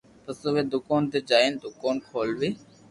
پسو اووي دوڪون تو جائين دوڪون کولوي